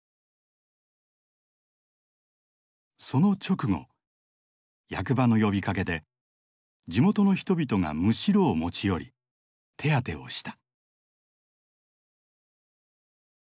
その直後役場の呼びかけで地元の人々がムシロを持ち寄り手当てをした。